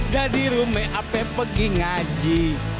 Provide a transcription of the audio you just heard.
dari rumah api pergi ngaji